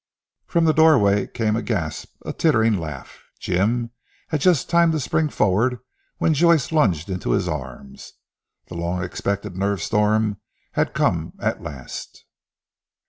From the doorway came a gasp, a tittering laugh. Jim had just time to spring forward when Joyce lunged into his arms. The long expected nerve storm had come at last.